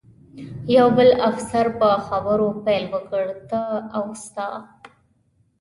یو بل افسر په خبرو پیل وکړ، ته او ستا.